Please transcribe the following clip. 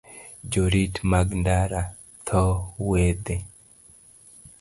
Jorit mag ndara, dho wedhe,